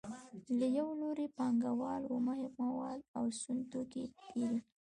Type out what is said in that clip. له یو لوري پانګوال اومه مواد او سون توکي پېري